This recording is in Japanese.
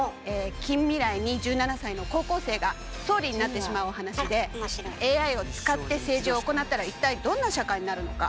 近未来に１７才の高校生が総理になってしまうお話でＡＩを使って政治を行ったら一体どんな社会になるのか。